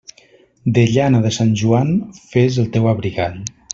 De llana de Sant Joan, fes el teu abrigall.